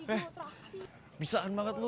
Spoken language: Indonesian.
eh bisaan banget lu